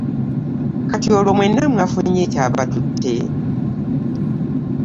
Kati olwo mwenna mwafunye ekyabatutte?